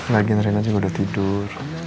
lagian rina juga udah tidur